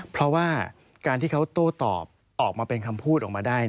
เพราะว่าการที่เขาโต้ตอบออกมาเป็นคำพูดออกมาได้